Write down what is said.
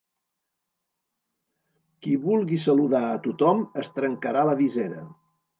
Qui vulgui saludar a tothom es trencarà la visera.